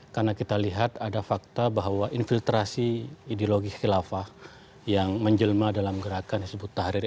karena kita lihat ada fakta bahwa infiltrasi ideologi khilafah yang menjelma dalam gerakan disebut tahrir